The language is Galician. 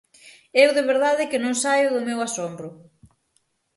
Eu de verdade que non saio do meu asombro.